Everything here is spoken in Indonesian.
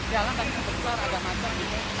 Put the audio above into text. jalan kan besar agak macet